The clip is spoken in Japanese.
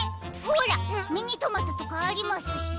ほらミニトマトとかありますし。